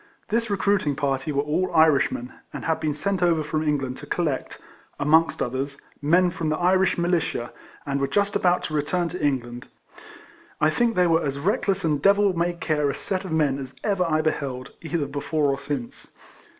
This recruiting party were all Irishmen, and had been sent over from England to B 3 10 RECOLLECTIONS 01" collect (amongst others) men from the Irish Militia, and were just about to return to England. I think they were as reckless and devil may care a set of men as ever I beheld, either before or since.